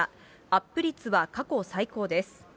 アップ率は過去最高です。